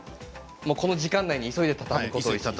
この時間内に急いで畳むことです。